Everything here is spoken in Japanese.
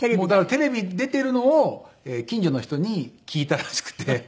テレビ出てるのを近所の人に聞いたらしくて。